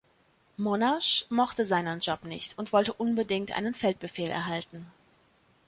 Monash mochte seinen Job nicht und wollte unbedingt einen Feldbefehl erhalten.